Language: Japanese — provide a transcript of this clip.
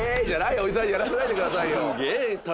おじさんにやらせないでください。